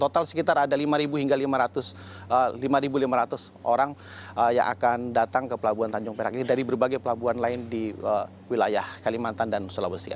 total sekitar ada lima hingga lima lima ratus orang yang akan datang ke pelabuhan tanjung perak ini dari berbagai pelabuhan lain di wilayah kalimantan dan sulawesi